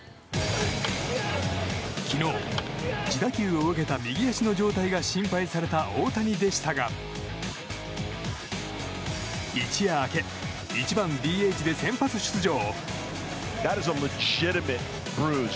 昨日、自打球を受けた右足の状態が心配された大谷でしたが一夜明け、１番ＤＨで先発出場。